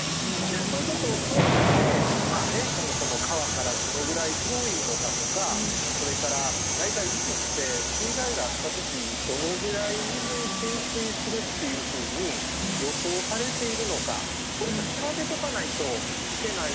そういうことを通してそもそも川からどのぐらい遠いのかとかそれから大体うちって水害があった時どのぐらい水に浸水するっていうふうに予想されているのか調べとかないといけないなとか。